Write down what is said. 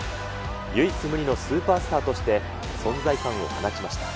唯一無二のスーパースターとして、存在感を放ちました。